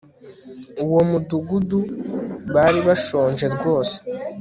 uwo mudugudu bari bashonje rwose